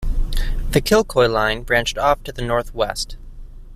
The Kilcoy line branched off to the north-west.